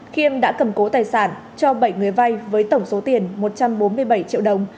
khiêm đã cầm cố tài sản cho bảy người vay với tổng số tiền một trăm bốn mươi bảy triệu đồng